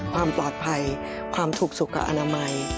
ความปลอดภัยความถูกสุขอนามัย